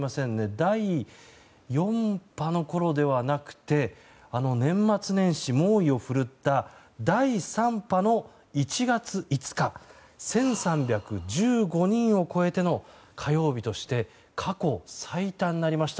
第４波のころではなくてあの年末年始猛威を振るった第３波の１月５日１３１５人を超えての火曜日として過去最多になりました。